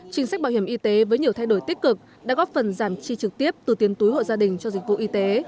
chính sách bảo hiểm y tế với nhiều thay đổi tích cực đã góp phần giảm chi trực tiếp từ tiền túi hộ gia đình cho dịch vụ y tế